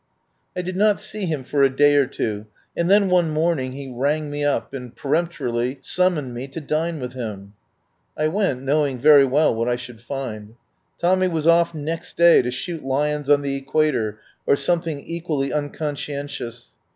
I did not see him for a day or two, and then one morning he rang me up and peremp torily summoned me to dine with him. I went, knowing very well what I should find. Tommy was off next day to shoot lions on the Equator, or something equally unconscien tious.